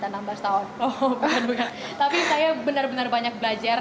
tapi saya benar benar banyak belajar dan semoga juga anda juga bisa belajar banyak banyak